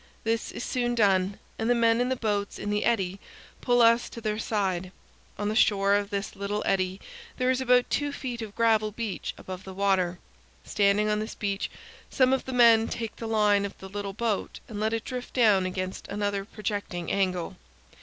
This is soon done, and the men in the boats in the eddy pull us to their side. On the shore of this little eddy there is about two feet of gravel beach above the water. Standing on this beach, some of the men take the line of the little boat and let it drift down against another projecting angle.